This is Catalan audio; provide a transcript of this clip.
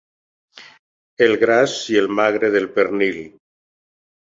El gras i el magre del pernil.